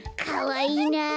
かわいいな。